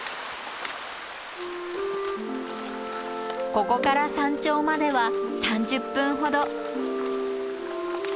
ここから山頂までは３０分ほど。